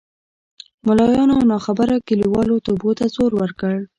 ملایانو او ناخبره کلیوالو توبو ته زور ورکړ.